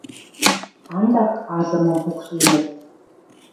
Андак азымым пукшенӹт.